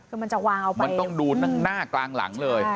คือมันจะวาวมากมันต้องดูนั่งหน้ากลางหลังเลย